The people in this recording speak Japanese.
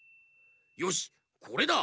よしこれだ！